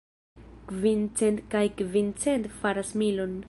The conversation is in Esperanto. Kvin cent kaj kvin cent faras milon.